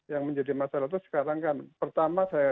yang menjadi masalah tuh sekarang kan pertama saya melihat